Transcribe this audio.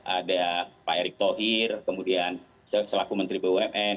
ada pak erick thohir kemudian selaku menteri bumn